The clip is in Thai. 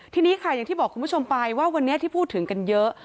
ทีนี้ค่ะอย่างที่บอกคุณผู้ชมไปว่าวันนี้ที่พูดถึงกันเยอะ